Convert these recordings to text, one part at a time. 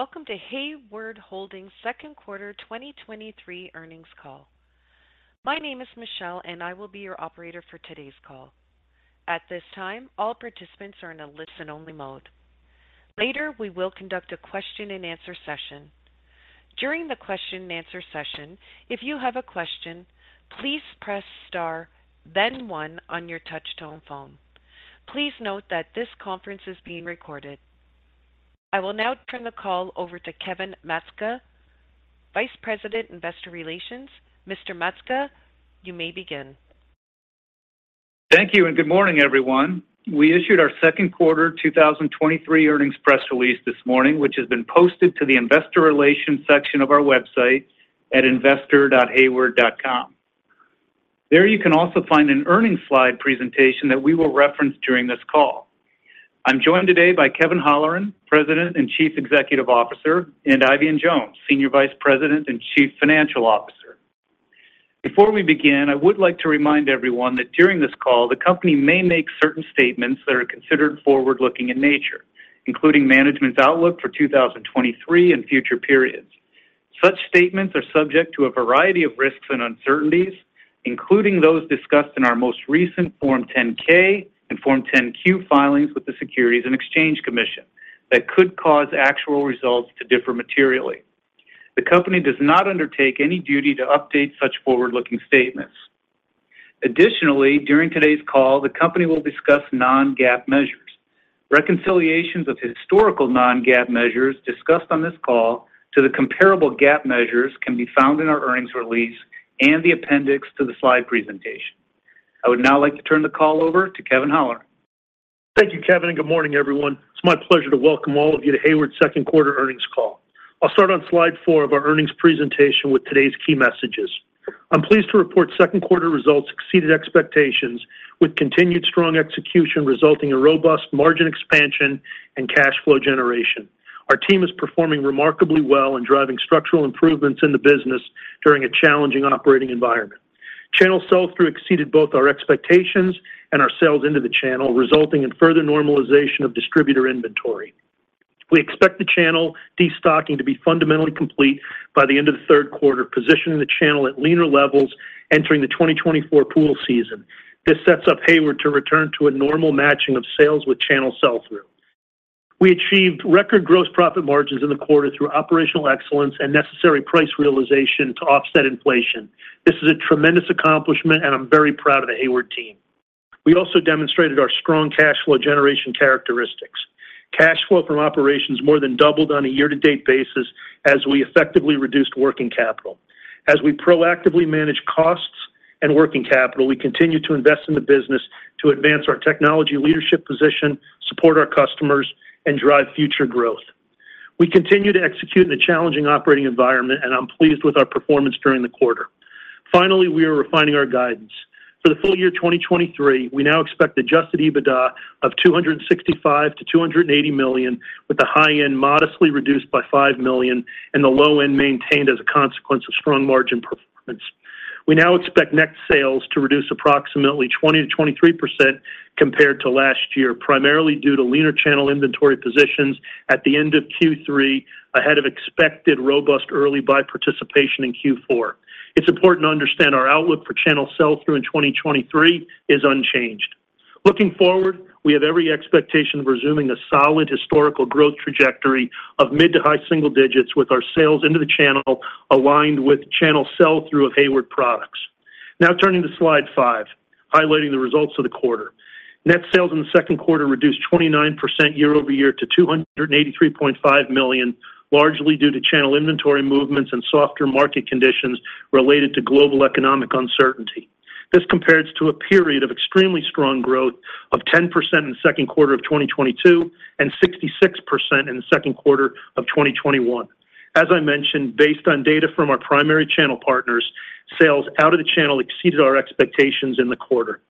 Welcome to Hayward Holdings Q2 2023 Earnings Call. My name is Michelle. I will be your operator for today's call. At this time, all participants are in a listen-only mode. Later, we will conduct a question-and-answer session. During the question-and-answer session, if you have a question, please press Star, then one on your touchtone phone. Please note that this conference is being recorded. I will now turn the call over to Kevin Maczka, Vice President, Investor Relations. Mr. Maczka, you may begin. Thank you. Good morning, everyone. We issued our Q2 2023 earnings press release this morning, which has been posted to the investor relations section of our website at investor.hayward.com. There, you can also find an earnings slide presentation that we will reference during this call. I'm joined today by Kevin Holleran, President and Chief Executive Officer, and Eifion Jones, Senior Vice President and Chief Financial Officer. Before we begin, I would like to remind everyone that during this call, the company may make certain statements that are considered forward-looking in nature, including management's outlook for 2023 and future periods. Such statements are subject to a variety of risks and uncertainties, including those discussed in our most recent Form 10-K and Form 10-Q filings with the Securities and Exchange Commission, that could cause actual results to differ materially. The company does not undertake any duty to update such forward-looking statements. Additionally, during today's call, the company will discuss non-GAAP measures. Reconciliations of historical non-GAAP measures discussed on this call to the comparable GAAP measures can be found in our earnings release and the appendix to the slide presentation. I would now like to turn the call over to Kevin Holleran. Thank you, Kevin, and good morning, everyone. It's my pleasure to welcome all of you to Hayward's Q2 earnings call. I'll start on slide four of our earnings presentation with today's key messages. I'm pleased to report Q2 results exceeded expectations, with continued strong execution resulting in robust margin expansion and cash flow generation. Our team is performing remarkably well and driving structural improvements in the business during a challenging operating environment. Channel sell-through exceeded both our expectations and our sales into the channel, resulting in further normalization of distributor inventory. We expect the channel destocking to be fundamentally complete by the end of the Q3, positioning the channel at leaner levels entering the 2024 pool season. This sets up Hayward to return to a normal matching of sales with channel sell-through. We achieved record gross profit margins in the quarter through operational excellence and necessary price realization to offset inflation. This is a tremendous accomplishment, and I'm very proud of the Hayward team. We also demonstrated our strong cash flow generation characteristics. Cash flow from operations more than doubled on a year-to-date basis as we effectively reduced working capital. As we proactively manage costs and working capital, we continue to invest in the business to advance our technology leadership position, support our customers, and drive future growth. We continue to execute in a challenging operating environment, and I'm pleased with our performance during the quarter. Finally, we are refining our guidance. For the full year 2023, we now expect adjusted EBITDA of $265 million-$280 million, with the high end modestly reduced by $5 million and the low end maintained as a consequence of strong margin performance. We now expect net sales to reduce approximately 20%-23% compared to last year, primarily due to leaner channel inventory positions at the end of Q3, ahead of expected robust early buy participation in Q4. It's important to understand our outlook for channel sell-through in 2023 is unchanged. Looking forward, we have every expectation of resuming a solid historical growth trajectory of mid to high single digits, with our sales into the channel aligned with channel sell-through of Hayward products. Now turning to slide five, highlighting the results of the quarter. Net sales in the Q2 reduced 29% year-over-year to $283.5 million, largely due to channel inventory movements and softer market conditions related to global economic uncertainty. This compares to a period of extremely strong growth of 10% in the Q2 of 2022 and 66% in the Q2 of 2021. As I mentioned, based on data from our primary channel partners, sales out of the channel exceeded our expectations in the quarter.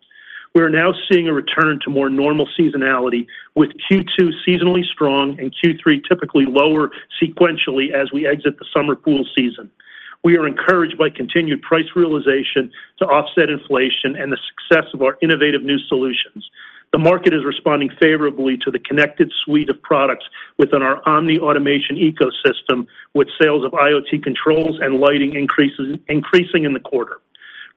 We are now seeing a return to more normal seasonality, with Q2 seasonally strong and Q3 typically lower sequentially as we exit the summer pool season. We are encouraged by continued price realization to offset inflation and the success of our innovative new solutions. The market is responding favorably to the connected suite of products within our Omni Automation ecosystem, with sales of IoT controls and lighting increases, increasing in the quarter.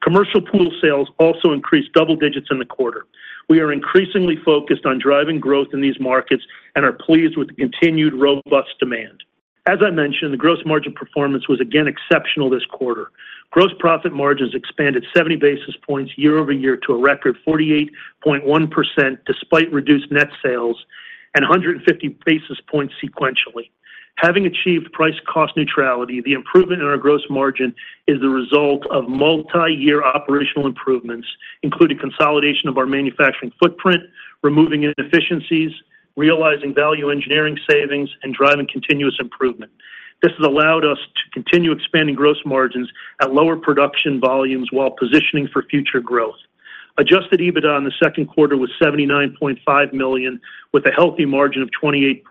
Commercial pool sales also increased double digits in the quarter. We are increasingly focused on driving growth in these markets and are pleased with the continued robust demand. As I mentioned, the gross margin performance was again exceptional this quarter. Gross profit margins expanded 70 basis points year-over-year to a record 48.1%, despite reduced net sales and 150 basis points sequentially. Having achieved price cost neutrality, the improvement in our gross margin is the result of multi-year operational improvements, including consolidation of our manufacturing footprint, removing inefficiencies, realizing value engineering savings, and driving continuous improvement. This has allowed us to continue expanding gross margins at lower production volumes while positioning for future growth. Adjusted EBITDA in the Q2 was $79.5 million, with a healthy margin of 28%.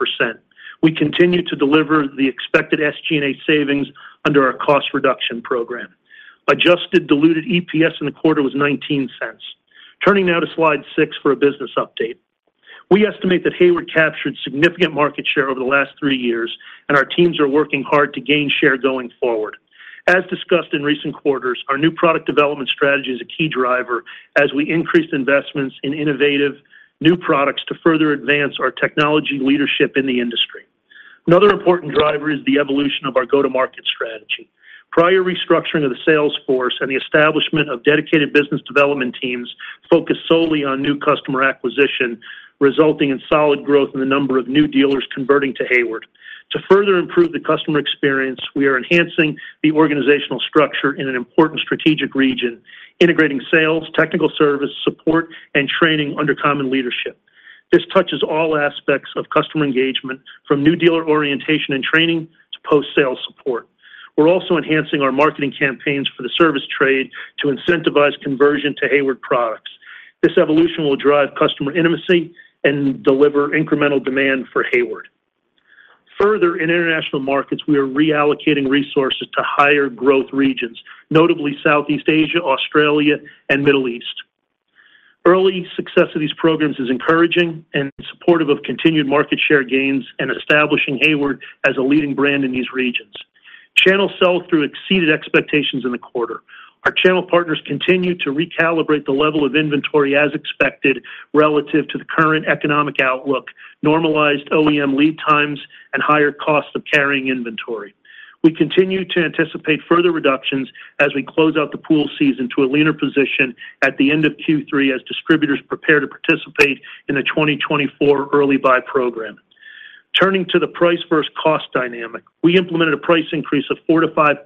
We continue to deliver the expected SG&A savings under our cost reduction program. Adjusted diluted EPS in the quarter was $0.19. Turning now to slide six for a business update. We estimate that Hayward captured significant market share over the last three years, and our teams are working hard to gain share going forward. As discussed in recent quarters, our new product development strategy is a key driver as we increase investments in innovative new products to further advance our technology leadership in the industry. Another important driver is the evolution of our go-to-market strategy. Prior restructuring of the sales force and the establishment of dedicated business development teams focused solely on new customer acquisition, resulting in solid growth in the number of new dealers converting to Hayward. To further improve the customer experience, we are enhancing the organizational structure in an important strategic region, integrating sales, technical service, support, and training under common leadership. This touches all aspects of customer engagement, from new dealer orientation and training to post-sale support. We're also enhancing our marketing campaigns for the service trade to incentivize conversion to Hayward products. This evolution will drive customer intimacy and deliver incremental demand for Hayward. Further, in international markets, we are reallocating resources to higher growth regions, notably Southeast Asia, Australia, and Middle East. Early success of these programs is encouraging and supportive of continued market share gains and establishing Hayward as a leading brand in these regions. Channel sell-through exceeded expectations in the quarter. Our channel partners continue to recalibrate the level of inventory as expected relative to the current economic outlook, normalized OEM lead times, and higher cost of carrying inventory. We continue to anticipate further reductions as we close out the pool season to a leaner position at the end of Q3 as distributors prepare to participate in the 2024 early buy program. Turning to the price versus cost dynamic, we implemented a price increase of 4%-5%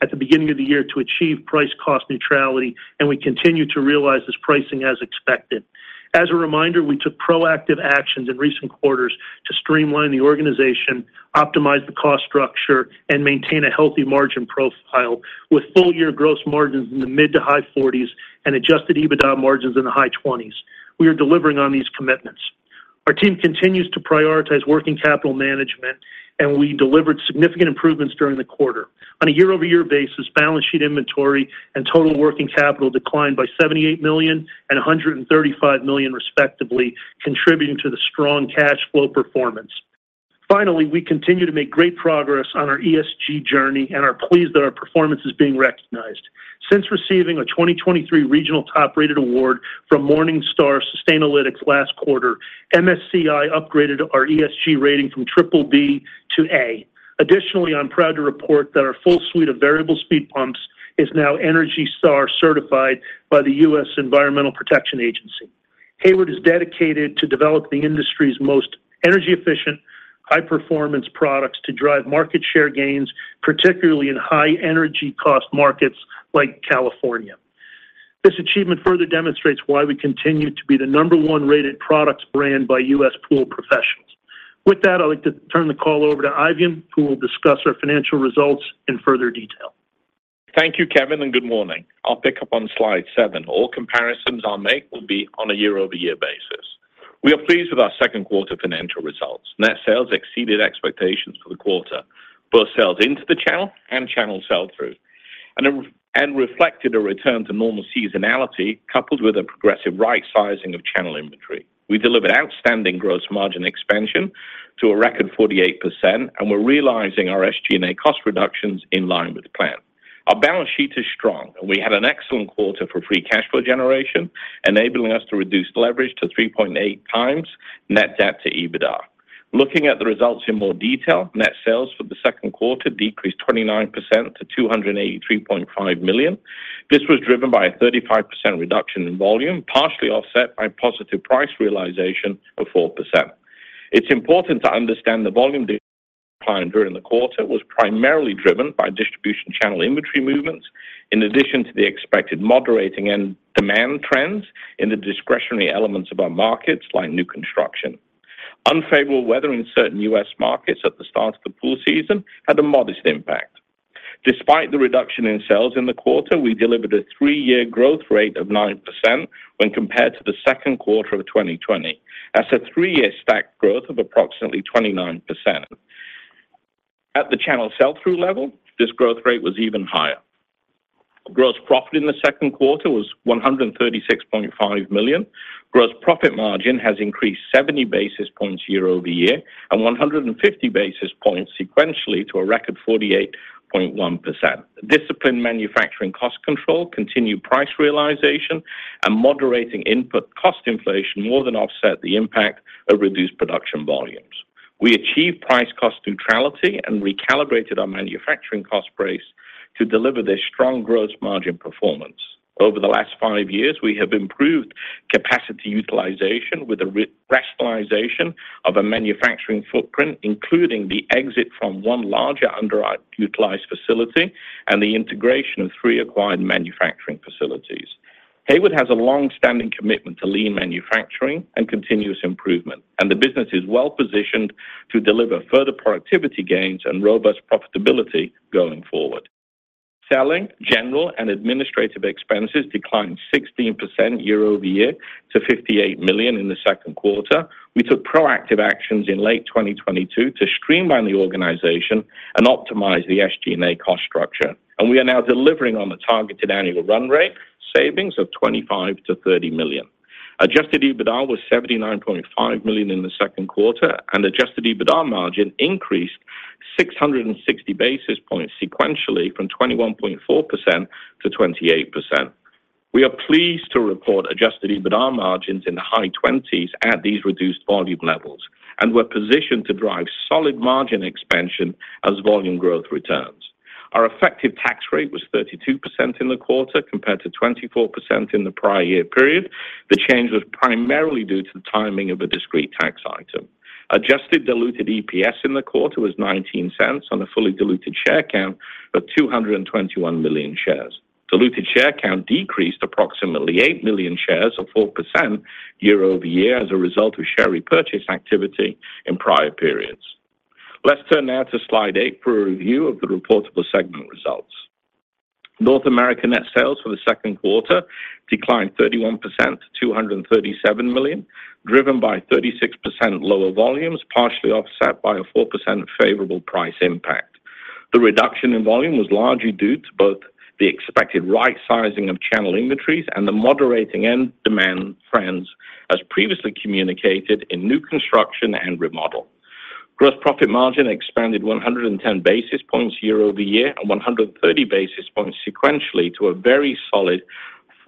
at the beginning of the year to achieve price cost neutrality, and we continue to realize this pricing as expected. As a reminder, we took proactive actions in recent quarters to streamline the organization, optimize the cost structure, and maintain a healthy margin profile, with full-year gross margins in the mid to high 40s and adjusted EBITDA margins in the high 20s. We are delivering on these commitments. Our team continues to prioritize working capital management, and we delivered significant improvements during the quarter. On a year-over-year basis, balance sheet inventory and total working capital declined by $78 million and $135 million, respectively, contributing to the strong cash flow performance. Finally, we continue to make great progress on our ESG journey and are pleased that our performance is being recognized. Since receiving a 2023 regional top-rated award from Morningstar Sustainalytics last quarter, MSCI upgraded our ESG rating from triple B to A. Additionally, I'm proud to report that our full suite of variable speed pumps is now ENERGY STAR certified by the U.S. Environmental Protection Agency. Hayward is dedicated to develop the industry's most energy-efficient, high-performance products to drive market share gains, particularly in high energy cost markets like California. This achievement further demonstrates why we continue to be the number one-rated products brand by U.S. pool professionals. With that, I'd like to turn the call over to Eifion Jones, who will discuss our financial results in further detail. Thank you, Kevin. Good morning. I'll pick up on slide seven. All comparisons I'll make will be on a year-over-year basis. We are pleased with our Q2 financial results. Net sales exceeded expectations for the quarter, both sales into the channel and channel sell-through, and reflected a return to normal seasonality, coupled with a progressive right sizing of channel inventory. We delivered outstanding gross margin expansion to a record 48%. We're realizing our SG&A cost reductions in line with the plan. Our balance sheet is strong. We had an excellent quarter for free cash flow generation, enabling us to reduce leverage to 3.8x net debt to EBITDA. Looking at the results in more detail, net sales for the Q2 decreased 29%-$283.5 million. This was driven by a 35% reduction in volume, partially offset by positive price realization of 4%. It's important to understand the volume decline during the quarter was primarily driven by distribution channel inventory movements, in addition to the expected moderating and demand trends in the discretionary elements of our markets, like new construction. Unfavorable weather in certain U.S. markets at the start of the pool season had a modest impact. Despite the reduction in sales in the quarter, we delivered a three-year growth rate of 9% when compared to the Q2 of 2020. That's a three-year stack growth of approximately 29%. At the channel sell-through level, this growth rate was even higher. Gross profit in the Q2 was $136.5 million. Gross profit margin has increased 70 basis points year over year and 150 basis points sequentially to a record 48.1%. Disciplined manufacturing cost control, continued price realization, and moderating input cost inflation more than offset the impact of reduced production volumes. We achieved price cost neutrality and recalibrated our manufacturing cost base to deliver this strong gross margin performance. Over the last five years, we have improved capacity utilization with a rationalization of a manufacturing footprint, including the exit from one larger underutilized facility and the integration of three acquired manufacturing facilities. Hayward has a long-standing commitment to lean manufacturing and continuous improvement, and the business is well-positioned to deliver further productivity gains and robust profitability going forward. Selling, general, and administrative expenses declined 16% year over year to $58 million in the Q2. We took proactive actions in late 2022 to streamline the organization and optimize the SG&A cost structure, and we are now delivering on the targeted annual run rate savings of $25 million-$30 million. Adjusted EBITDA was $79.5 million in the Q2, and Adjusted EBITDA margin increased 660 basis points sequentially from 21.4%-28%. We are pleased to report Adjusted EBITDA margins in the high 20s at these reduced volume levels, and we're positioned to drive solid margin expansion as volume growth returns. Our effective tax rate was 32% in the quarter, compared to 24% in the prior year period. The change was primarily due to the timing of a discrete tax item. Adjusted diluted EPS in the quarter was $0.19 on a fully diluted share count of 221 million shares. Diluted share count decreased approximately eight million shares, or 4% year-over-year, as a result of share repurchase activity in prior periods. Let's turn now to slide eight for a review of the reportable segment results. North America net sales for the Q2 declined 31%-$237 million, driven by 36% lower volumes, partially offset by a 4% favorable price impact. The reduction in volume was largely due to both the expected right-sizing of channel inventories and the moderating end demand trends, as previously communicated in new construction and remodel. Gross profit margin expanded 110 basis points year-over-year and 130 basis points sequentially to a very solid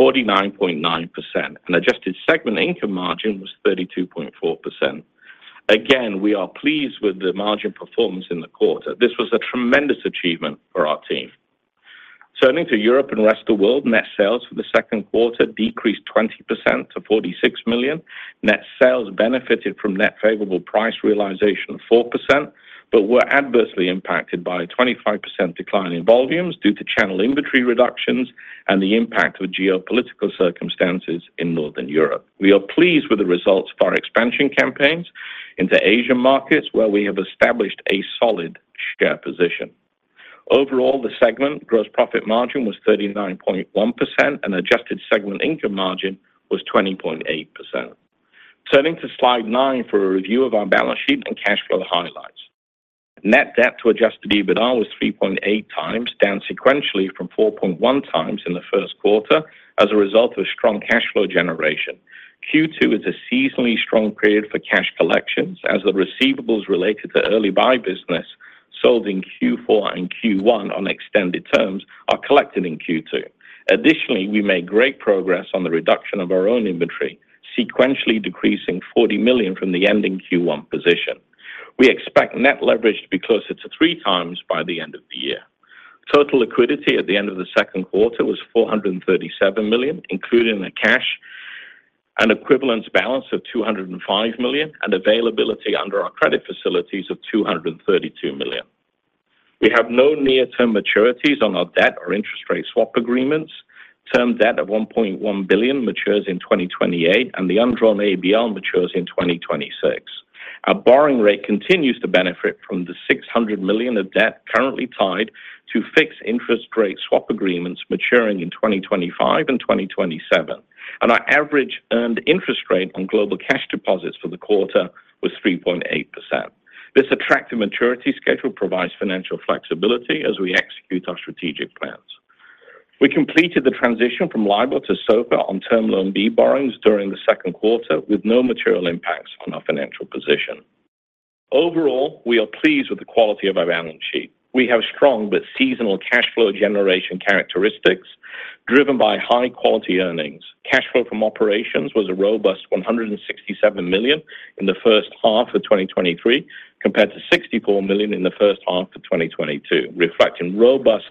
49.9%, and adjusted segment income margin was 32.4%. Again, we are pleased with the margin performance in the quarter. This was a tremendous achievement for our team. Turning to Europe and rest of world, net sales for the Q2 decreased 20%-$46 million. Net sales benefited from net favorable price realization of 4%, but were adversely impacted by a 25% decline in volumes due to channel inventory reductions and the impact of geopolitical circumstances in Northern Europe. We are pleased with the results of our expansion campaigns into Asian markets, where we have established a solid share position. Overall, the segment gross profit margin was 39.1%, and adjusted segment income margin was 20.8%. Turning to slide nine for a review of our balance sheet and cash flow highlights. Net debt to adjusted EBITDA was 3.8x, down sequentially from 4.1x in the first quarter as a result of strong cash flow generation. Q2 is a seasonally strong period for cash collections, as the receivables related to early buy business sold in Q4 and Q1 on extended terms are collected in Q2. Additionally, we made great progress on the reduction of our own inventory, sequentially decreasing $40 million from the ending Q1 position. We expect net leverage to be closer to 3x by the end of the year. Total liquidity at the end of the Q2 was $437 million, including the cash, an equivalence balance of $205 million, and availability under our credit facilities of $232 million. We have no near-term maturities on our debt or interest rate swap agreements. Term debt of $1.1 billion matures in 2028, and the undrawn ABL matures in 2026. Our borrowing rate continues to benefit from the $600 million of debt currently tied to fixed interest rate swap agreements maturing in 2025 and 2027, and our average earned interest rate on global cash deposits for the quarter was 3.8%. This attractive maturity schedule provides financial flexibility as we execute our strategic plans. We completed the transition from LIBOR to SOFR on Term Loan B borrowings during the Q2 with no material impacts on our financial position. Overall, we are pleased with the quality of our balance sheet. We have strong but seasonal cash flow generation characteristics driven by high-quality earnings. Cash flow from operations was a robust $167 million in the H1 of 2023, compared to $64 million in the H1 of 2022, reflecting robust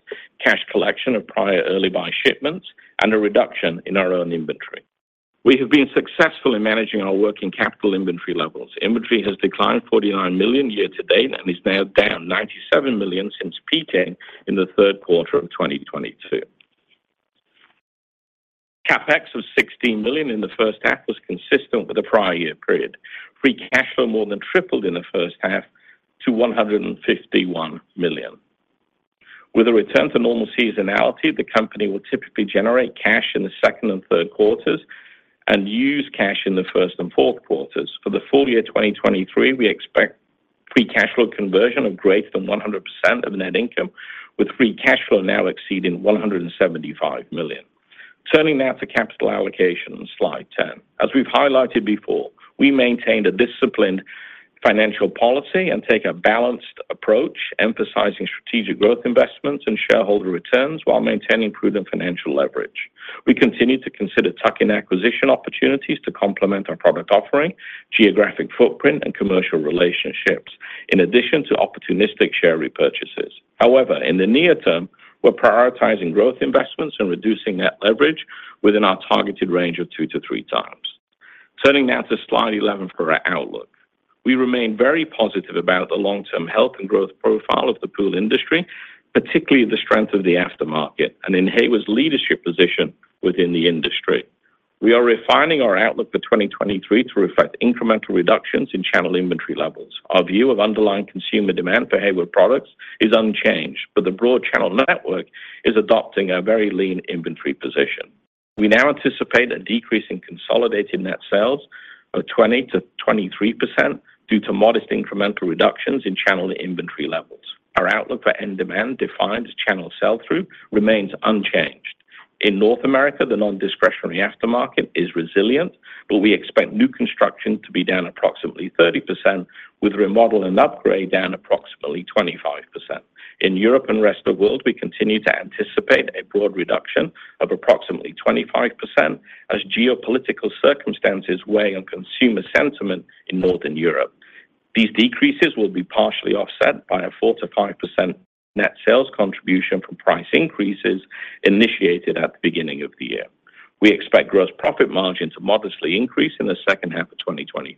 cash collection of prior early buy shipments and a reduction in our own inventory. We have been successful in managing our working capital inventory levels. Inventory has declined $49 million year to date and is now down $97 million since peak in the Q3 of 2022. CapEx of $16 million in the H1 was consistent with the prior year period. Free cash flow more than tripled in the H1 to $151 million. With a return to normal seasonality, the company will typically generate cash in the second and third quarters and use cash in the first and fourth quarters. For the full year 2023, we expect free cash flow conversion of greater than 100% of net income, with free cash flow now exceeding $175 million. Turning now to capital allocation, slide 10. As we've highlighted before, we maintain a disciplined financial policy and take a balanced approach, emphasizing strategic growth investments and shareholder returns while maintaining prudent financial leverage. We continue to consider tuck-in acquisition opportunities to complement our product offering, geographic footprint, and commercial relationships, in addition to opportunistic share repurchases. However, in the near term, we're prioritizing growth investments and reducing net leverage within our targeted range of 2x-3x. Turning now to slide 11 for our outlook. We remain very positive about the long-term health and growth profile of the pool industry, particularly the strength of the aftermarket and in Hayward's leadership position within the industry. We are refining our outlook for 2023 to reflect incremental reductions in channel inventory levels. Our view of underlying consumer demand for Hayward products is unchanged, but the broad channel network is adopting a very lean inventory position. We now anticipate a decrease in consolidated net sales of 20%-23% due to modest incremental reductions in channel inventory levels. Our outlook for end demand, defined as channel sell-through, remains unchanged. In North America, the nondiscretionary aftermarket is resilient, but we expect new construction to be down approximately 30%, with remodel and upgrade down approximately 25%. In Europe and rest of world, we continue to anticipate a broad reduction of approximately 25% as geopolitical circumstances weigh on consumer sentiment in Northern Europe. These decreases will be partially offset by a 4%-5% net sales contribution from price increases initiated at the beginning of the year. We expect gross profit margin to modestly increase in the H2 of 2023.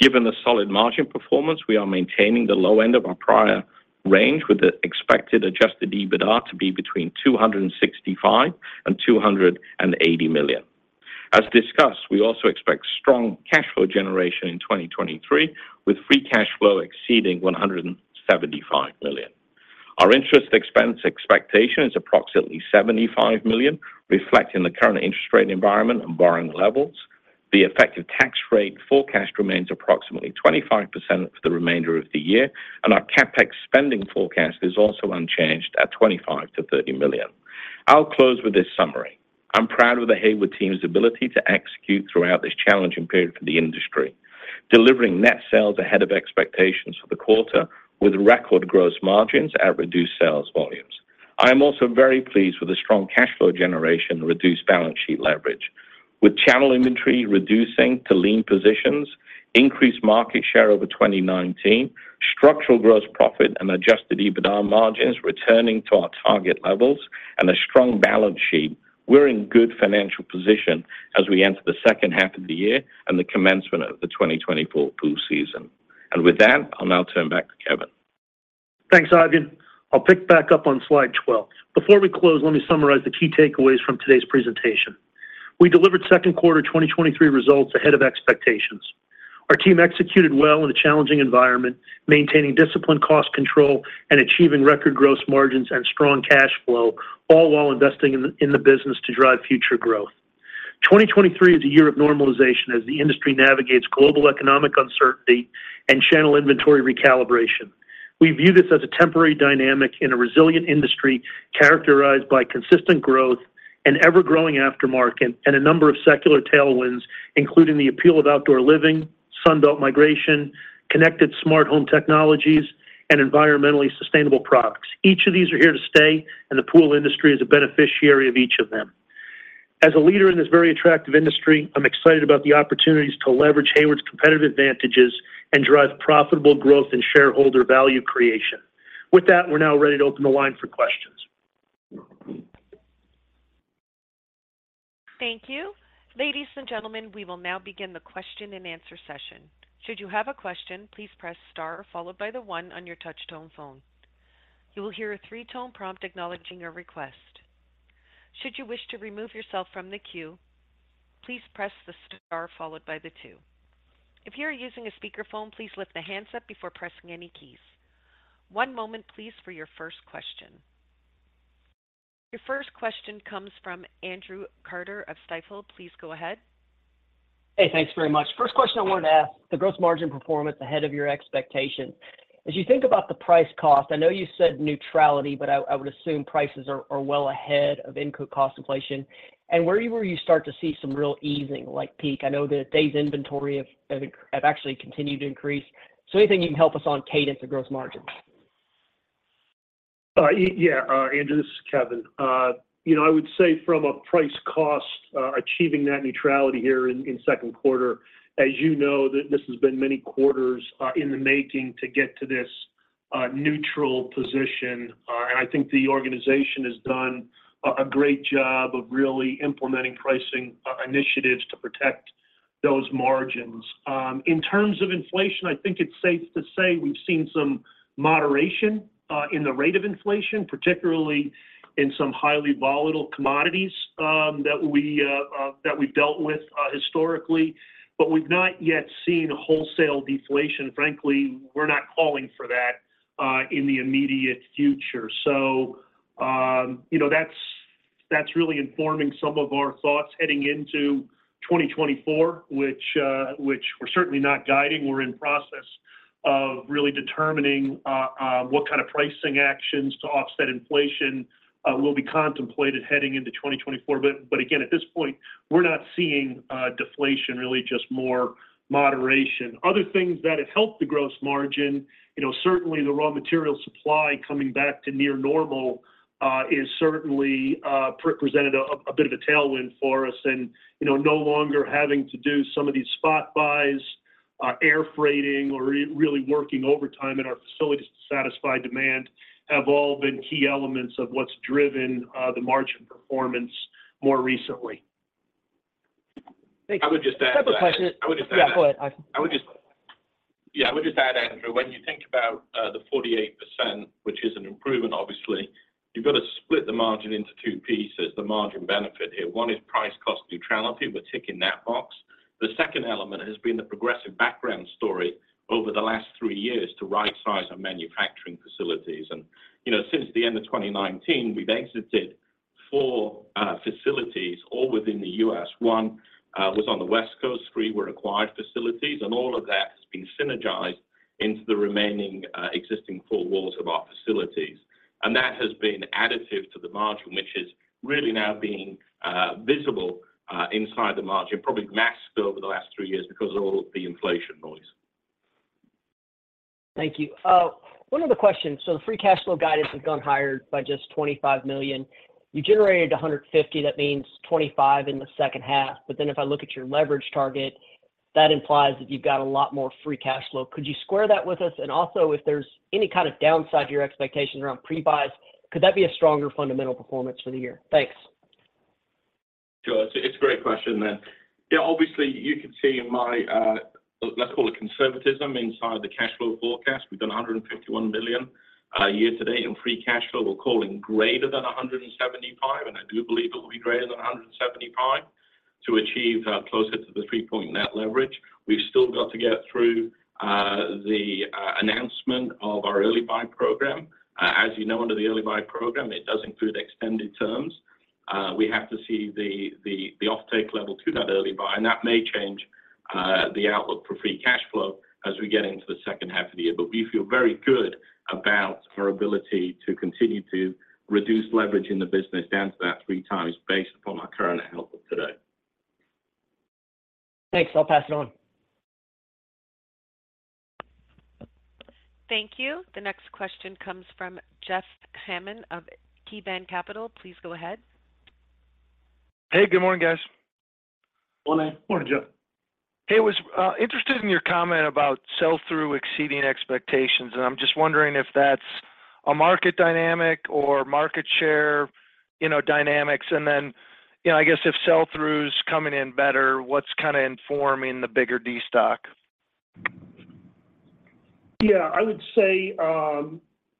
Given the solid margin performance, we are maintaining the low end of our prior range, with the expected adjusted EBITDA to be between $265 million and $280 million. As discussed, we also expect strong cash flow generation in 2023, with free cash flow exceeding $175 million. Our interest expense expectation is approximately $75 million, reflecting the current interest rate environment and borrowing levels. The effective tax rate forecast remains approximately 25% for the remainder of the year, and our CapEx spending forecast is also unchanged at $25 million-$30 million. I'll close with this summary. I'm proud of the Hayward team's ability to execute throughout this challenging period for the industry, delivering net sales ahead of expectations for the quarter, with record gross margins at reduced sales volumes. I am also very pleased with the strong cash flow generation and reduced balance sheet leverage. With channel inventory reducing to lean positions, increased market share over 2019, structural gross profit and adjusted EBITDA margins returning to our target levels, and a strong balance sheet, we're in good financial position as we enter the H2 of the year and the commencement of the 2024 pool season. With that, I'll now turn back to Kevin. Thanks, Ivan. I'll pick back up on slide 12. Before we close, let me summarize the key takeaways from today's presentation. We delivered Q2 2023 results ahead of expectations. Our team executed well in a challenging environment, maintaining disciplined cost control and achieving record gross margins and strong cash flow, all while investing in the business to drive future growth. 2023 is a year of normalization as the industry navigates global economic uncertainty and channel inventory recalibration. We view this as a temporary dynamic in a resilient industry characterized by consistent growth, an ever-growing aftermarket, and a number of secular tailwinds, including the appeal of outdoor living, Sun Belt migration, connected smart home technologies, and environmentally sustainable products. Each of these are here to stay, and the pool industry is a beneficiary of each of them. As a leader in this very attractive industry, I'm excited about the opportunities to leverage Hayward's competitive advantages and drive profitable growth and shareholder value creation. With that, we're now ready to open the line for questions. Thank you. Ladies and gentlemen, we will now begin the question-and-answer session. Should you have a question, please press star followed by the one on your touchtone phone. You will hear a 3-tone prompt acknowledging your request. Should you wish to remove yourself from the queue, please press the star followed by the two. If you are using a speakerphone, please lift the handset before pressing any keys. One moment, please, for your first question. Your first question comes from Andrew Carter of Stifel. Please go ahead. Hey, thanks very much. First question I wanted to ask. The gross margin performance ahead of your expectations. As you think about the price cost, I know you said neutrality, but I would assume prices are well ahead of input cost inflation. Where you start to see some real easing, like, peak? I know that days inventory have actually continued to increase. Anything you can help us on cadence or gross margins? y- yeah, Andrew, this is Kevin. you know, I would say from a price cost, achieving that neutrality here in, in Q2, as you know, that this has been many quarters in the making to get to this neutral position. And I think the organization has done a great job of really implementing pricing initiatives to protect those margins. In terms of inflation, I think it's safe to say we've seen some moderation in the rate of inflation, particularly in some highly volatile commodities that we that we've dealt with historically, but we've not yet seen wholesale deflation. Frankly, we're not calling for that in the immediate future. you know, that's, that's really informing some of our thoughts heading into 2024, which, which we're certainly not guiding. We're in process of really determining what kind of pricing actions to offset inflation will be contemplated heading into 2024. Again, at this point, we're not seeing deflation, really just more moderation. Other things that have helped the gross margin, you know, certainly the raw material supply coming back to near normal is certainly presented a bit of a tailwind for us. You know, no longer having to do some of these spot buys, air freighting, or really working overtime in our facilities to satisfy demand, have all been key elements of what's driven the margin performance more recently. Thank you. I would just add- I have a question. I would just add- Yeah, go ahead, Ivan. I would just... Yeah, I would just add, Andrew, when you think about the 48%, which is an improvement, obviously, you've got to split the margin into two pieces, the margin benefit here. One is price cost neutrality. We're ticking that box. The second element has been the progressive background story over the last three years to rightsize our manufacturing facilities. You know, since the end of 2019, we've exited 4 facilities all within the U.S. One was on the West Coast, three were acquired facilities, and all of that has been synergized into the remaining existing four walls of our facilities. That has been additive to the margin, which is really now being visible inside the margin, probably masked over the last three years because of all the inflation noise. Thank you. 1 other question. The free cash flow guidance has gone higher by just $25 million. You generated $150 million, that means $25 million in the H2. If I look at your leverage target, that implies that you've got a lot more free cash flow. Could you square that with us? If there's any kind of downside to your expectations around pre-buys, could that be a stronger fundamental performance for the year? Thanks. Sure. It's a great question there. Yeah, obviously, you can see in my, let's call it conservatism inside the cash flow forecast. We've done $151 million year to date in free cash flow. We're calling greater than $175, and I do believe it will be greater than $175 to achieve closer to the 3-point net leverage. We've still got to get through the announcement of our early buy program. As you know, under the early buy program, it does include extended terms. We have to see the offtake level to that early buy, and that may change the outlook for free cash flow as we get into the H2 of the year. We feel very good about our ability to continue to reduce leverage in the business down to that 3 times based upon our current outlook today. Thanks. I'll pass it on. Thank you. The next question comes from Jeff Hammond of KeyBanc Capital. Please go ahead. Hey, good morning, guys. Morning. Morning, Jeff. Hey, was interested in your comment about sell-through exceeding expectations, and I'm just wondering if that's a market dynamic or market share, you know, dynamics. Then, you know, I guess if sell-through is coming in better, what's kind of informing the bigger destock? Yeah, I would say,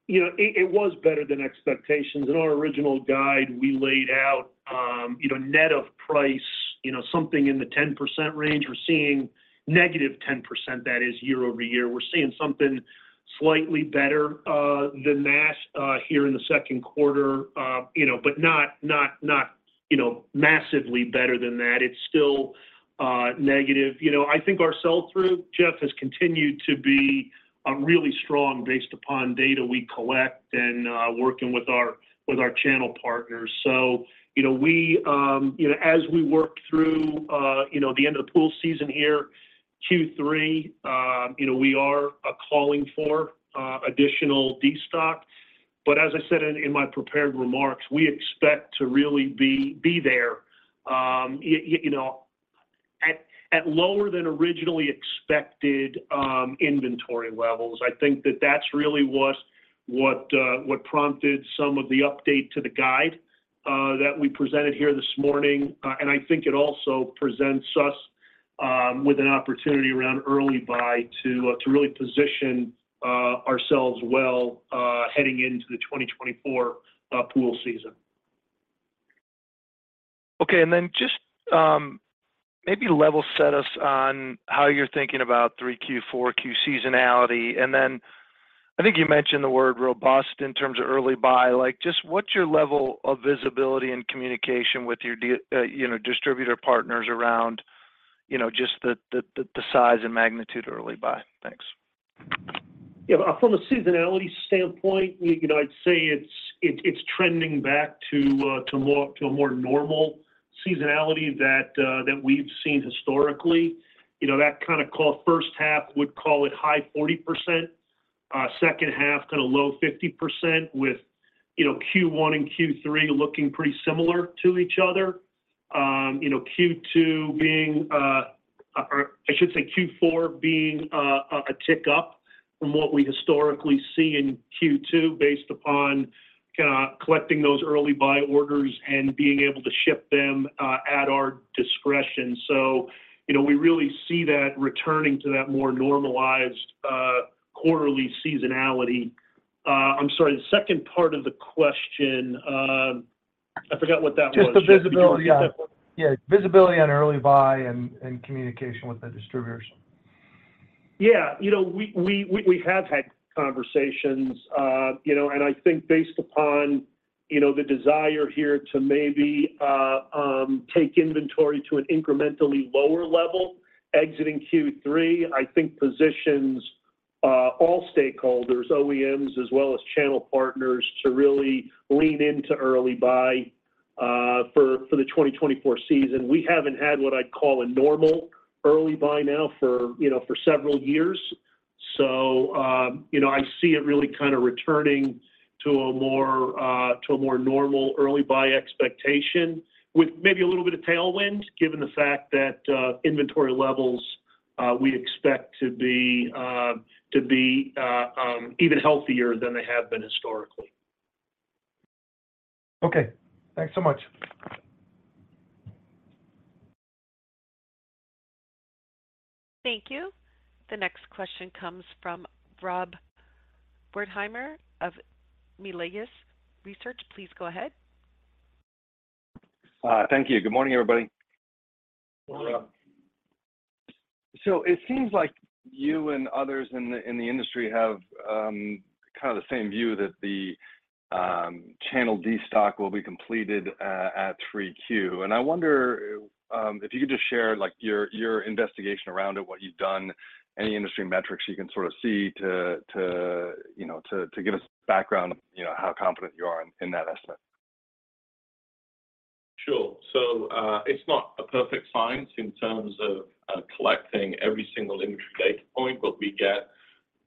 you know, it, it was better than expectations. In our original guide, we laid out, you know, net of price, you know, something in the 10% range. We're seeing -10%, that is, year-over-year. We're seeing something slightly better than that here in the Q2, you know, but not, not, not, you know, massively better than that. It's still negative. You know, I think our sell-through, Jeff, has continued to be really strong based upon data we collect and working with our, with our channel partners. You know, we, you know, as we work through, you know, the end of the pool season here, Q3, you know, we are calling for additional destock. As I said in, in my prepared remarks, we expect to really be, be there, you know, at, at lower than originally expected, inventory levels. I think that that's really what, what, what prompted some of the update to the guide that we presented here this morning. I think it also presents us with an opportunity around early buy to really position ourselves well heading into the 2024 pool season. Okay, then just maybe level set us on how you're thinking about Q3, Q4, Q seasonality. Then I think you mentioned the word robust in terms of early buy. Like, just what's your level of visibility and communication with your you know, distributor partners around, you know, just the, the, the size and magnitude of early buy? Thanks. Yeah, from a seasonality standpoint, you know, I'd say it's, it, it's trending back to, to more, to a more normal seasonality that we've seen historically. You know, that kind of call H1, would call it high 40%, H2, kind of low 50%, with, you know, Q1 and Q3 looking pretty similar to each other. You know, Q2 being, or I should say Q4 being, a, a tick up from what we historically see in Q2, based upon kind of collecting those early buy orders and being able to ship them, at our discretion. So, you know, we really see that returning to that more normalized, quarterly seasonality. I'm sorry, the second part of the question, I forgot what that was. Just the visibility. Yeah. Yeah. Visibility on early buy and communication with the distributors. Yeah, you know, we, we, we, we have had conversations, you know, and I think based upon, you know, the desire here to maybe take inventory to an incrementally lower level exiting Q3, I think positions all stakeholders, OEMs, as well as channel partners, to really lean into early buy, for, for the 2024 season. We haven't had what I'd call a normal early buy now for, you know, for several years. You know, I see it really kind of returning to a more to a more normal early buy expectation with maybe a little bit of tailwind, given the fact that inventory levels, we'd expect to be to be even healthier than they have been historically. Okay. Thanks so much. Thank you. The next question comes from Robert Wertheimer of Melius Research. Please go ahead. Thank you. Good morning, everybody. Morning. It seems like you and others in the, in the industry have, kind of the same view that the, channel destock will be completed at 3Q. I wonder, if you could just share, like, your, your investigation around it, what you've done, any industry metrics you can sort of see to, to, you know, to, to give us background, you know, how confident you are in, in that estimate? Sure. it's not a perfect science in terms of collecting every single industry data point, but we get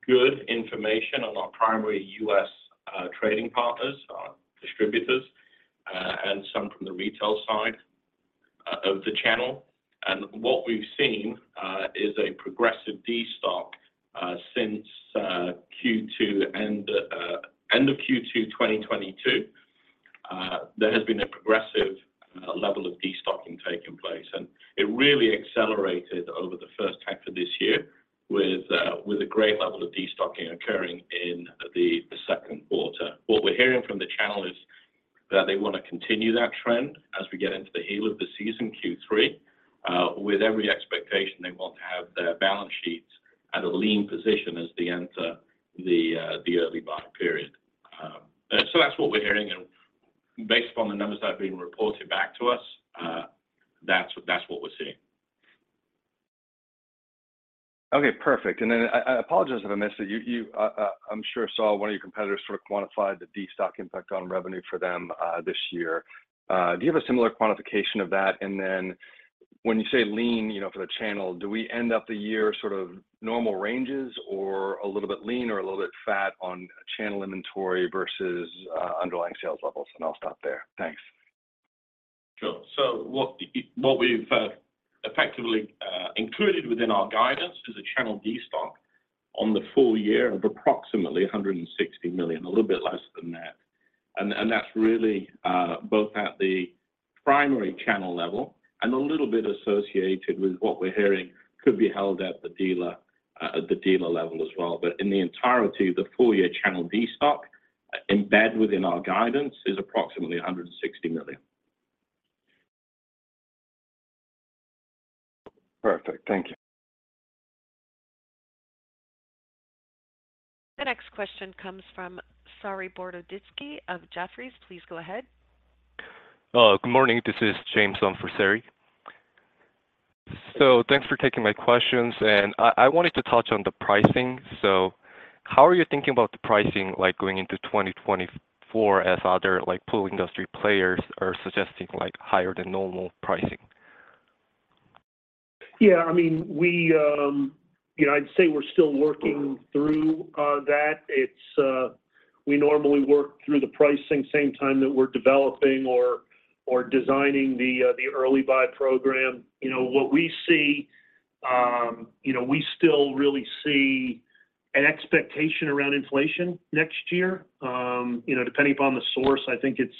good information on our primary U.S. trading partners, our distributors, and some from the retail side of the channel. And what we've seen is a progressive destock since Q2 end, end of Q2 2022. There has been a progressive level of destocking taking place, and it really accelerated over the 1st half of this year with a great level of destocking occurring in the Q2. What we're hearing from the channel is that they want to continue that trend as we get into the heat of the season, Q3, with every expectation they want to have their balance sheets at a lean position as they enter the early buy period. That's what we're hearing, and based upon the numbers that are being reported back to us, that's, that's what we're seeing. Okay, perfect. I, I apologize if I missed it. You, you, I'm sure saw one of your competitors sort of quantify the destock impact on revenue for them this year. Do you have a similar quantification of that? When you say lean, you know, for the channel, do we end up the year sort of normal ranges or a little bit lean or a little bit fat on channel inventory versus underlying sales levels? I'll stop there. Thanks. Sure. What, what we've effectively included within our guidance is a channel destock on the full year of approximately $160 million, a little bit less than that. That's really both at the primary channel level and a little bit associated with what we're hearing could be held at the dealer at the dealer level as well. In the entirety of the full-year channel destock, embed within our guidance is approximately $160 million. Perfect. Thank you. The next question comes from Saree Boroditsky of Jefferies. Please go ahead. Good morning. This is James on for Saree. Thanks for taking my questions, and I, I wanted to touch on the pricing. How are you thinking about the pricing, like, going into 2024 as other, like, pool industry players are suggesting, like, higher than normal pricing? Yeah, I mean, we, you know, I'd say we're still working through that. It's, we normally work through the pricing same time that we're developing or, or designing the early buy program. You know, what we see, you know, we still really see an expectation around inflation next year. You know, depending upon the source, I think it's,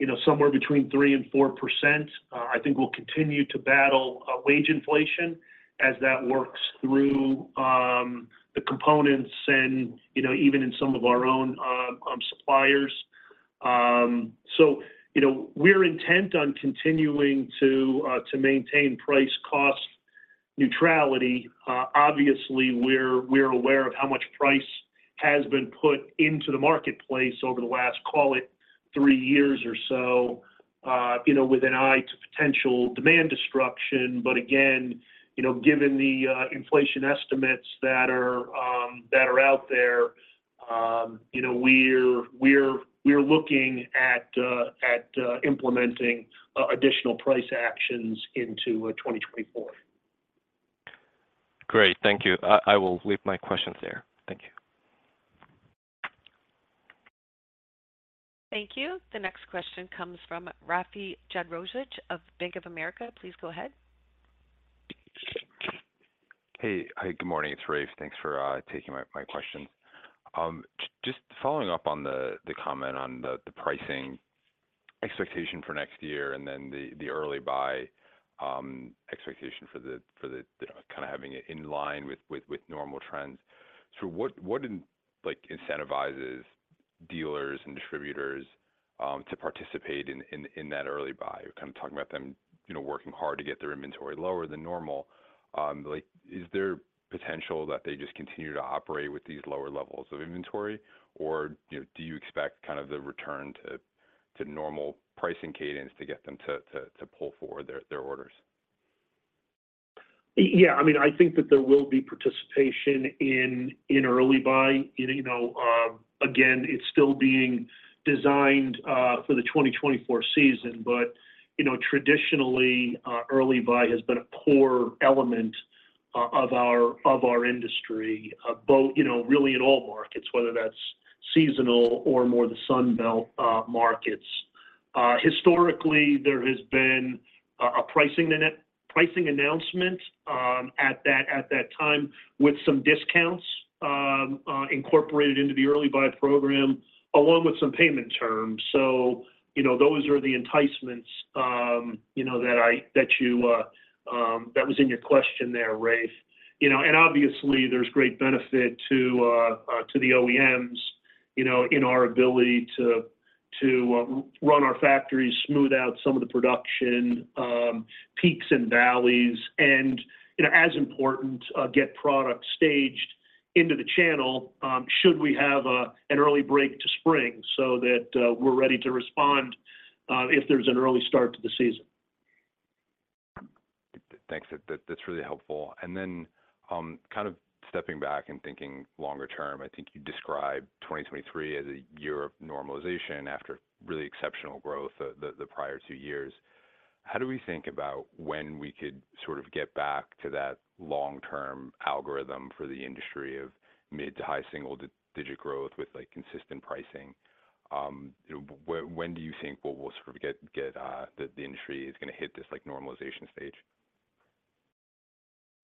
you know, somewhere between 3% and 4%. I think we'll continue to battle wage inflation as that works through the components and, you know, even in some of our own suppliers. You know, we're intent on continuing to maintain price cost neutrality. Obviously, we're, we're aware of how much price has been put into the marketplace over the last, call it, three years or so, you know, with an eye to potential demand destruction. Again, you know, given the inflation estimates that are that are out there, you know, we're, we're, we're looking at implementing additional price actions into 2024. Great. Thank you. I will leave my questions there. Thank you. Thank you. The next question comes from Rafeh Yardemian of Bank of America. Please go ahead. Hey, hi, good morning. It's Rafeh. Thanks for taking my question. Just following up on the comment on the pricing expectation for next year and then the early buy expectation for the kind of having it in line with normal trends. What, what, like, incentivizes dealers and distributors to participate in that early buy? We're kind of talking about them, you know, working hard to get their inventory lower than normal. Like, is there potential that they just continue to operate with these lower levels of inventory? Or, you know, do you expect kind of the return to normal pricing cadence to get them to pull forward their orders? Yeah, I mean, I think that there will be participation in, in early buy. You know, again, it's still being designed for the 2024 season, but you know, traditionally, early buy has been a poor element of our, of our industry, both, you know, really in all markets, whether that's seasonal or more the Sun Belt markets. Historically, there has been a, a pricing pricing announcement at that, at that time, with some discounts incorporated into the early buy program, along with some payment terms. You know, those are the enticements, you know, that I, that you, that was in your question there, Rafi. You know, and obviously, there's great benefit to to the OEMs-... you know, in our ability to, to, run our factories, smooth out some of the production, peaks and valleys, and, you know, as important, get product staged into the channel, should we have a, an early break to spring so that, we're ready to respond, if there's an early start to the season. Thanks. That, that, that's really helpful. Kind of stepping back and thinking longer term, I think you described 2023 as a year of normalization after really exceptional growth, the prior two years. How do we think about when we could sort of get back to that long-term algorithm for the industry of mid to high single digit growth with, like, consistent pricing? You know, when do you think we will sort of get, get the industry is gonna hit this, like, normalization stage?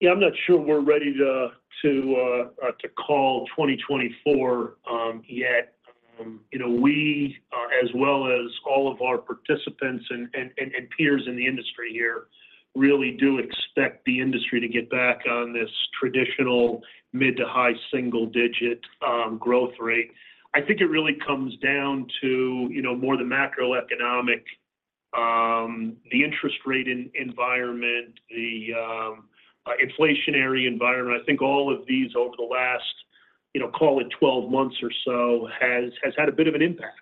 Yeah, I'm not sure we're ready to, to call 2024 yet. You know, we are, as well as all of our participants and peers in the industry here, really do expect the industry to get back on this traditional mid to high single-digit growth rate. I think it really comes down to, you know, more the macroeconomic, the interest rate environment, the inflationary environment. I think all of these over the last, you know, call it 12 months or so, has had a bit of an impact.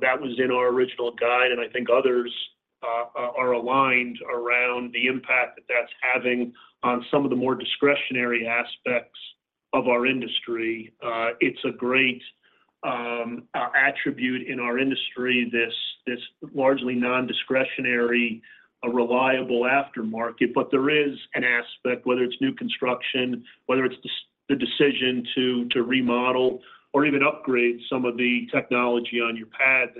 That was in our original guide, and I think others are aligned around the impact that that's having on some of the more discretionary aspects of our industry. It's a great attribute in our industry, this largely nondiscretionary, a reliable aftermarket. There is an aspect, whether it's new construction, whether it's the decision to, to remodel or even upgrade some of the technology on your pad,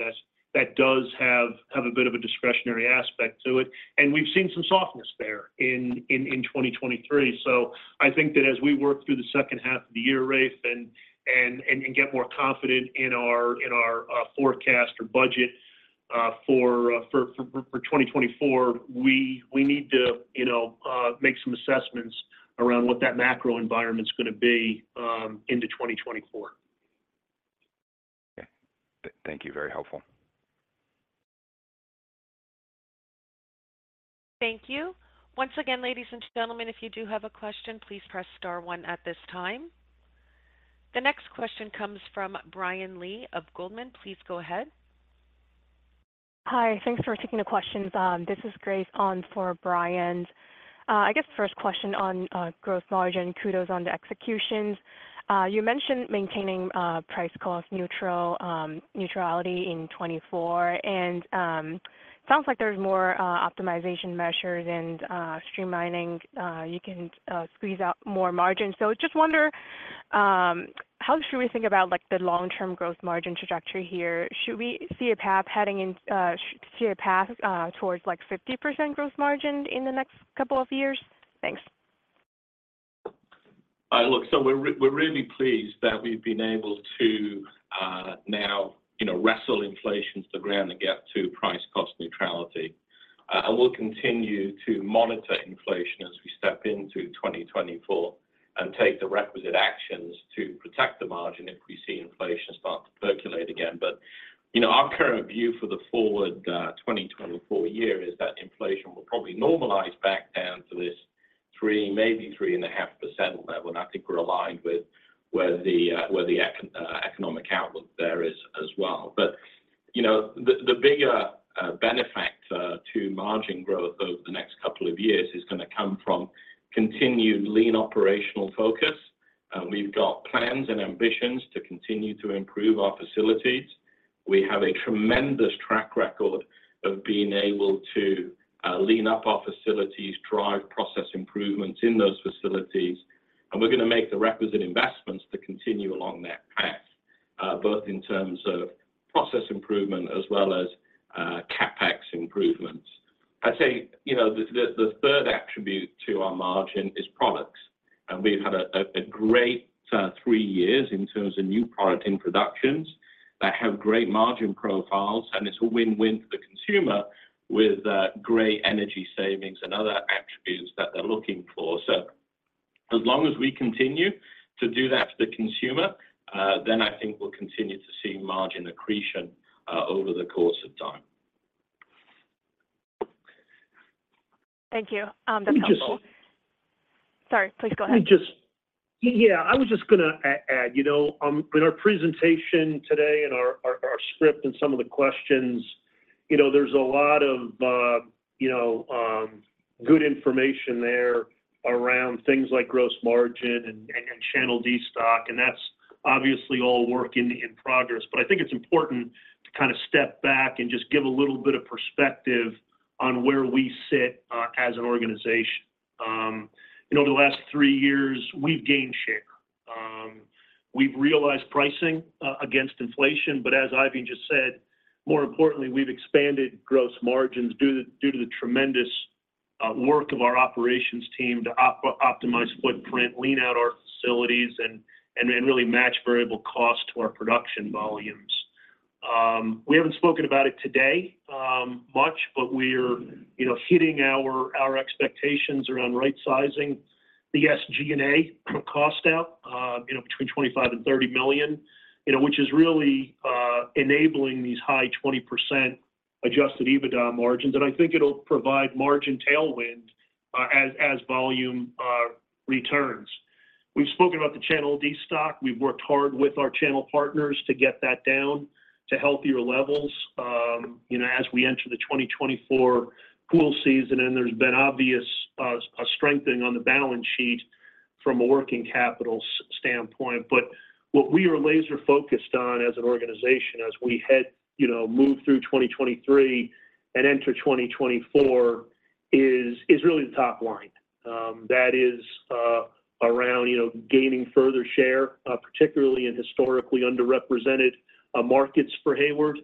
that does have a bit of a discretionary aspect to it, and we've seen some softness there in 2023. I think that as we work through the H2 of the year, Rafeh, and get more confident in our forecast or budget for 2024, we need to, you know, make some assessments around what that macro environment's gonna be into 2024. Okay. thank you. Very helpful. Thank you. Once again, ladies and gentlemen, if you do have a question, please press star 1 at this time. The next question comes from Brian Lee of Goldman. Please go ahead. Hi, thanks for taking the questions. This is Grace on for Brian. I guess the first question on gross margin, kudos on the executions. You mentioned maintaining price cost neutral neutrality in 2024, and sounds like there's more optimization measures and streamlining you can squeeze out more margin. Just wonder, how should we think about, like, the long-term gross margin trajectory here? Should we see a path heading in see a path towards, like, 50% gross margin in the next couple of years? Thanks. Look, we're really pleased that we've been able to, now, you know, wrestle inflation to the ground and get to price cost neutrality. We'll continue to monitor inflation as we step into 2024 and take the requisite actions to protect the margin if we see inflation start to percolate again. You know, our current view for the forward, 2024 year is that inflation will probably normalize back down to this 3%, maybe 3.5% level, and I think we're aligned with where the, where the economic outlook there is as well. You know, the, the bigger, benefactor to margin growth over the next couple of years is gonna come from continued lean operational focus. We've got plans and ambitions to continue to improve our facilities. We have a tremendous track record of being able to lean up our facilities, drive process improvements in those facilities, and we're gonna make the requisite investments to continue along that path, both in terms of process improvement as well as CapEx improvements. I'd say, you know, the, the, the third attribute to our margin is products. We've had a, a, a great three years in terms of new product introductions that have great margin profiles, and it's a win-win for the consumer with great energy savings and other attributes that they're looking for. As long as we continue to do that for the consumer, then I think we'll continue to see margin accretion over the course of time. Thank you. That's helpful. Let me just- Sorry, please go ahead. Let me just. Yeah, I was just gonna add, you know, in our presentation today and our script and some of the questions, you know, there's a lot of, you know, good information there around things like gross margin and channel destock, and that's obviously all work in progress. I think it's important to kind of step back and just give a little bit of perspective on where we sit as an organization. You know, the last three years, we've gained share. We've realized pricing against inflation, but as Ivan just said, more importantly, we've expanded gross margins due to the tremendous work of our operations team to optimize footprint, lean out our facilities, and really match variable cost to our production volumes. We haven't spoken about it today, much, but we're, you know, hitting our, our expectations around right sizing the SG&A cost out, you know, between $25 million and $30 million, you know, which is really, enabling these high 20% adjusted EBITDA margins. I think it'll provide margin tailwind, as, as volume, returns. We've spoken about the channel destocking. We've worked hard with our channel partners to get that down to healthier levels, you know, as we enter the 2024 pool season, and there's been obvious, a strengthening on the balance sheet from a working capital standpoint. What we are laser focused on as an organization, as we head, you know, move through 2023 and enter 2024, is, is really the top line. That is, around, you know, gaining further share, particularly in historically underrepresented, markets for Hayward,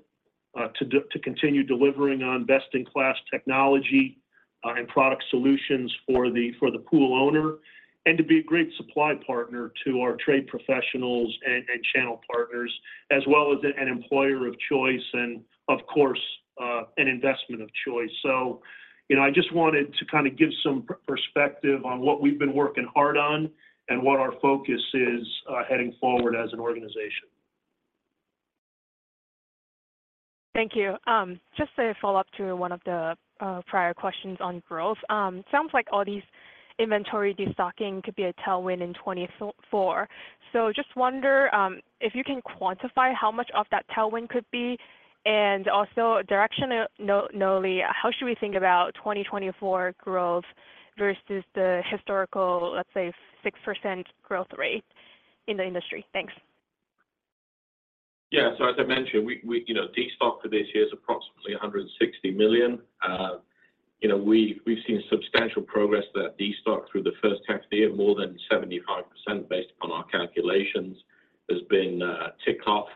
to continue delivering on best-in-class technology, and product solutions for the, for the pool owner, and to be a great supply partner to our trade professionals and, and channel partners, as well as an employer of choice and of course, an investment of choice. You know, I just wanted to kind of give some perspective on what we've been working hard on and what our focus is, heading forward as an organization. Thank you. Just a follow-up to one of the prior questions on growth. Sounds like all these inventory destocking could be a tailwind in 2024. Just wonder if you can quantify how much of that tailwind could be, and also knowingly, how should we think about 2024 growth versus the historical, let's say, 6% growth rate in the industry? Thanks. As I mentioned, we, we you know, destocked for this year is approximately $160 million. You know, we've, we've seen substantial progress. That destock through the H1 of the year, more than 75% based on our calculations, has been ticked off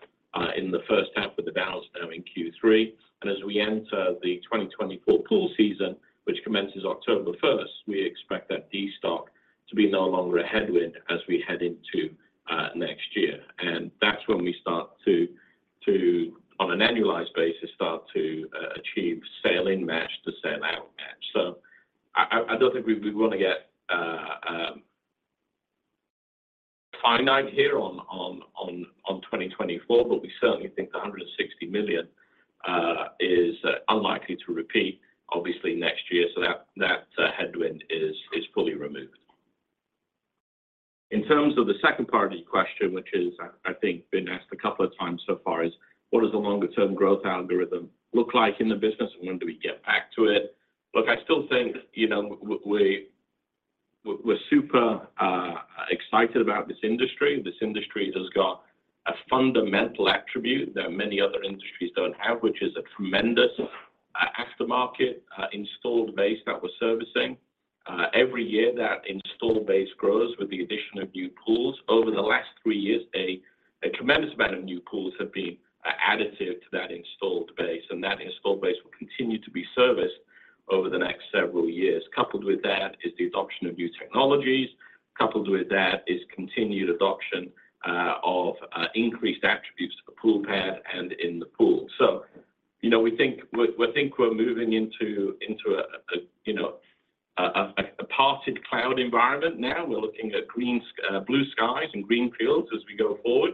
in the first half with the balance now in Q3. As we enter the 2024 pool season, which commences October 1st, we expect that destock to be no longer a headwind as we head into next year. That's when we start to, to, on an annualized basis, start to achieve sell-in match to sell-out match. I, I, I don't think we, we want to get finite here on 2024, but we certainly think the $160 million is unlikely to repeat obviously next year, so that, that headwind is, is fully removed. In terms of the second part of your question, which is, I, I think been asked a couple of times so far, is: what does the longer-term growth algorithm look like in the business, and when do we get back to it? Look, I still think, you know, we, we, we're super excited about this industry. This industry has got a fundamental attribute that many other industries don't have, which is a tremendous aftermarket installed base that we're servicing. Every year, that installed base grows with the addition of new pools. Over the last three years, a, a tremendous amount of new pools have been additive to that installed base, and that installed base will continue to be serviced over the next several years. Coupled with that is the adoption of new technologies. Coupled with that is continued adoption of increased attributes to the pool pad and in the pool. You know, we, we think we're moving into, into a, a, you know, a, a, a parted cloud environment now. We're looking at blue skies and green fields as we go forward,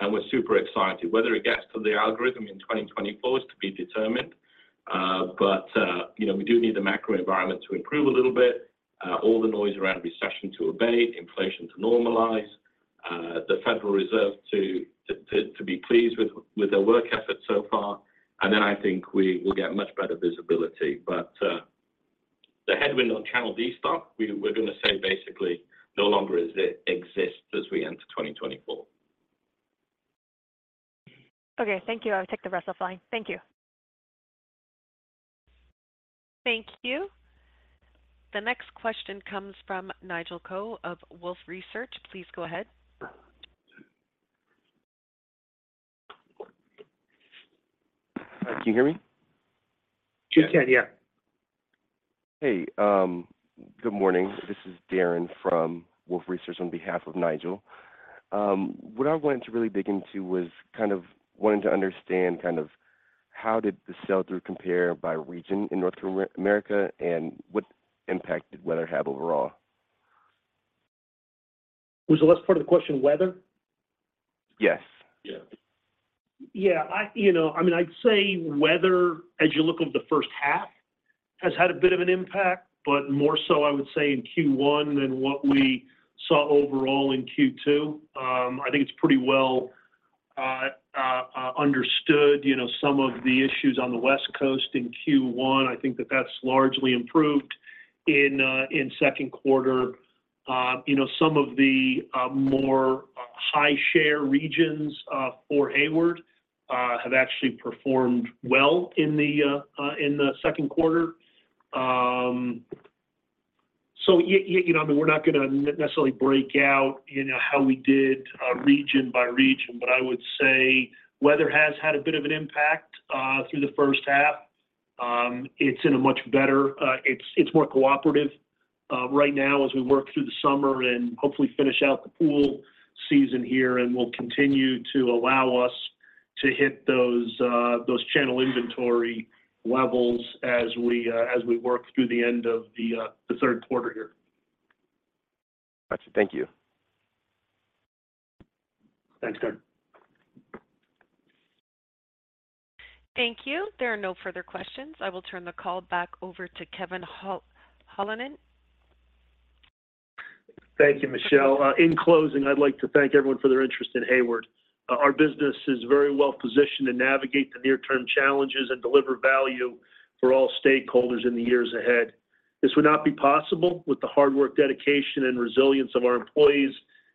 and we're super excited. Whether it gets to the algorithm in 2024 is to be determined, but, you know, we do need the macro environment to improve a little bit, all the noise around recession to abate, inflation to normalize, the Federal Reserve to, to, to, to be pleased with, with their work effort so far. Then I think we will get much better visibility. The headwind on channel destock, we're, we're going to say basically no longer exi-exists as we enter 2024. Okay, thank you. I'll take the rest offline. Thank you. Thank you. The next question comes from Nigel Coe of Wolfe Research. Please go ahead. Can you hear me? We can, yeah. Hey, good morning. This is Darren from Wolfe Research on behalf of Nigel. What I wanted to really dig into was kind of wanting to understand kind of how did the sell-through compare by region in North America, and what impact did weather have overall? Was the last part of the question weather? Yes. Yeah. Yeah, I... You know, I mean, I'd say weather, as you look over the fH1, has had a bit of an impact, but more so I would say in Q1 than what we saw overall in Q2. I think it's pretty well understood, you know, some of the issues on the West Coast in Q1. I think that that's largely improved in Q2. You know, some of the more high-share regions for Hayward have actually performed well in the Q2. So, you know, I mean, we're not going to necessarily break out, you know, how we did region by region, but I would say weather has had a bit of an impact through the fH1. It's in a much better, it's, it's more cooperative, right now as we work through the summer and hopefully finish out the pool season here, and will continue to allow us to hit those, those channel inventory levels as we, as we work through the end of the, the Q3 here. Gotcha. Thank you. Thanks, Darren. Thank you. There are no further questions. I will turn the call back over to Kevin Holleran. Thank you, Michelle. In closing, I'd like to thank everyone for their interest in Hayward. Our business is very well positioned to navigate the near-term challenges and deliver value for all stakeholders in the years ahead. This would not be possible with the hard work, dedication, and resilience of our employees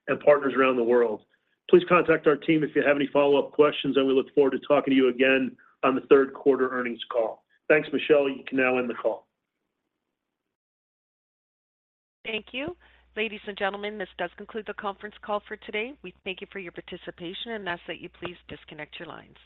and partners around the world. Please contact our team if you have any follow-up questions, and we look forward to talking to you again on the Q3 earnings call. Thanks, Michelle. You can now end the call. Thank you. Ladies and gentlemen, this does conclude the conference call for today. We thank you for your participation and ask that you please disconnect your lines.